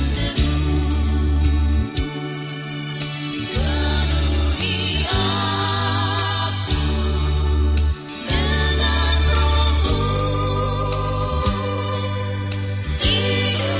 yesus mau datang segera